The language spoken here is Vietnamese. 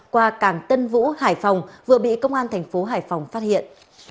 qua cảng tân vũ hải phòng vừa bị công an thành phố hải phòng phát hiện